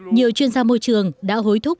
nhiều chuyên gia môi trường đã hối thúc